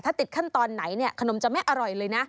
ถ้าติดขั้นตอนไหนเนี่ยขนมจะไม่อร่อยเลยนะ